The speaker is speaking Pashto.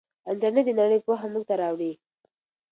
انټرنیټ د نړۍ پوهه موږ ته راوړي.